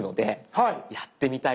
はい。